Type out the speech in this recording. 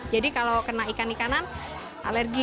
jadi kalau kena ikan ikanan alergi